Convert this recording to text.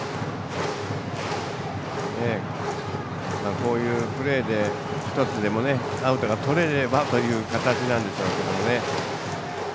こういうプレーで１つでもアウトがとれればという形なんでしょうけどね。